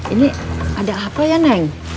ini ada apa ya neng